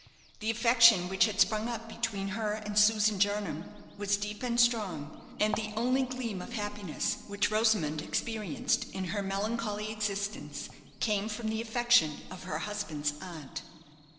The affection which had sprung up between her and Susan Jernam was deep and strong, and the only gleam of happiness which Rosamond experienced in her melancholy existence came from the affection of her husband's aunt.